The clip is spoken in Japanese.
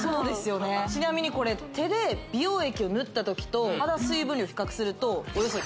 何かちなみにこれ手で美容液を塗った時と肌水分量比較するとそんなに？